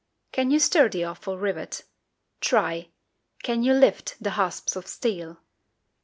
can you stir the awful rivet? Try! can you lift the hasps of steel?